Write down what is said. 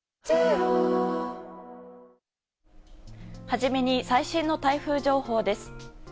初めに最新の台風情報です。